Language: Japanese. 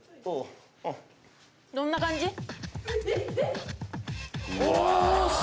どんな感じ？